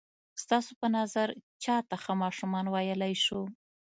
ستاسو په نظر چاته ښه ماشومان ویلای شو؟